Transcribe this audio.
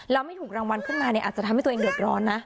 แล้วไม่ถูกรางวัลขึ้นมาเนี่ยอาจจะทำให้ตัวเองเดือดร้อนนะ